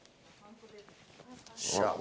あ。